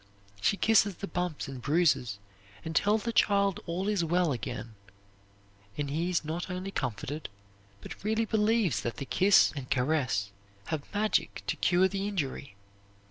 She kisses the bumps and bruises and tells the child all is well again, and he is not only comforted, but really believes that the kiss and caress have magic to cure the injury.